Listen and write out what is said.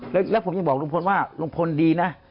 แล้วผมยังบอกลุงพลว่าลุงพลดีนะ